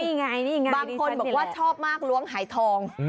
นี่ไงนี่ไงดีใจนี่แหละบางคนบอกว่าชอบมากล้วงหายทอง